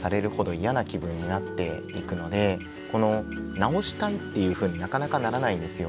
直したいっていうふうになかなかならないんですよ。